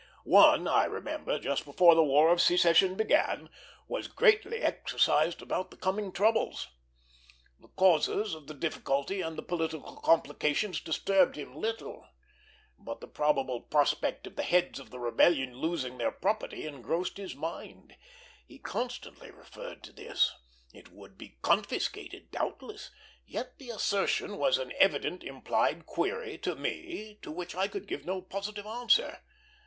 One, I remember, just before the War of Secession began, was greatly exercised about the oncoming troubles. The causes of the difficulty and the political complications disturbed him little; but the probable prospect of the heads of the rebellion losing their property engrossed his mind. He constantly returned to this; it would be confiscated, doubtless; yet the assertion was an evident implied query to me, to which I could give no positive answer.